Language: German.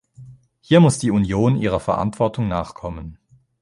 Hier muss die Union ihrer Verantwortung nachkommen.